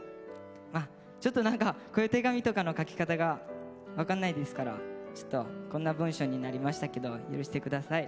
まあちょっと何かこういう手紙とかの書き方が分かんないですからちょっとこんな文章になりましたけど許して下さい。